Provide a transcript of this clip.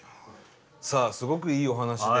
さあすごくいいお話で。